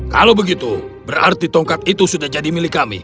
kalau begitu berarti tongkat itu sudah jadi milik kami